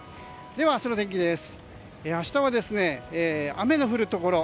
では明日の天気です。